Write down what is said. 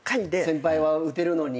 先輩は打てるのに。